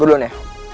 gue duluan ya